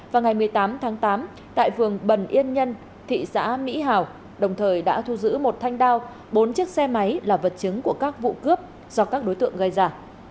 vào ngày một mươi tám tháng tám tại vườn bần yên nhân thị xã mỹ hào đồng thời đã thu giữ một thanh đao bốn chiếc xe máy là vật chứng của các vụ cướp do các đối tượng gây ra